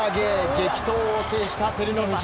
激闘を制した照ノ富士。